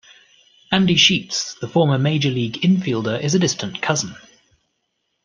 Andy Sheets, the former major league infielder, is a distant cousin.